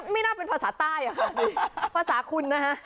ไม่น่าเป็นภาษาใต้ค่ะภาษาคุณนะฮะ